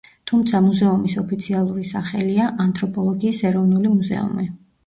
თუმცა მუზეუმის ოფიციალური სახელია: ანთროპოლოგიის ეროვნული მუზეუმი.